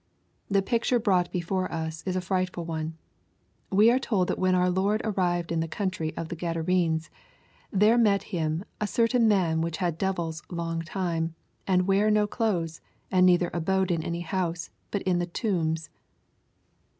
The picture brought before us is a frightful one. We are told that when our Lord arrived in the country of the Gadarenes, there met Him " a certain man which had devils long time, and ware no clothes, neither abode in any house, but in the tombs."